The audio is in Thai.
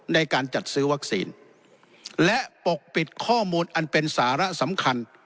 ในการจัดซื้อวัคซีนและปกปิดข้อมูลอันเป็นสาระสำคัญ